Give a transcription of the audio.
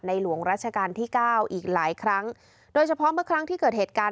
หลวงราชการที่เก้าอีกหลายครั้งโดยเฉพาะเมื่อครั้งที่เกิดเหตุการณ์